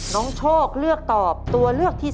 น้องโชคเลือกตอบตัวเลือกที่๓